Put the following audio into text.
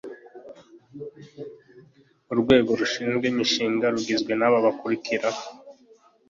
Urwego rushinzwe imishinga rugizwe n’aba bakurikira: